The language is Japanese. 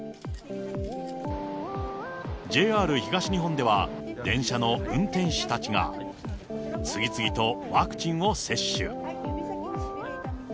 ＪＲ東日本では、電車の運転士たちが、次々とワクチンを接種。